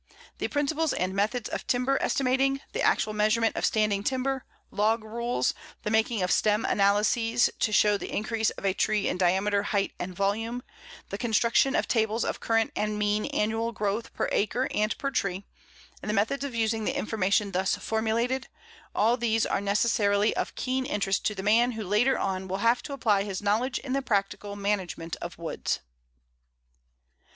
The principles and methods of timber estimating, the actual measurement of standing timber, log rules, the making of stem analyses to show the increase of a tree in diameter, height, and volume, the construction of tables of current and mean annual growth per acre and per tree, and the methods of using the information thus formulated, all these are necessarily of keen interest to the man who later on will have to apply his knowledge in the practical management of woods.